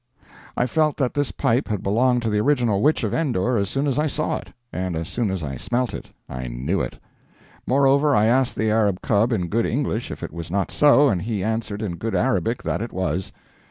I felt that this pipe had belonged to the original Witch of Endor as soon as I saw it; and as soon as I smelt it, I knew it. Moreover, I asked the Arab cub in good English if it was not so, and he answered in good Arabic that it was.